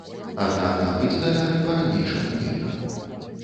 Аднак набыць даляры па-ранейшаму нельга.